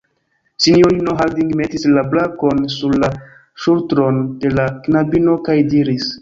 Sinjorino Harding metis la brakon sur la ŝultron de la knabino kaj diris: